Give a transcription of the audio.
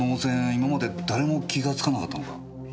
今まで誰も気がつかなかったのか？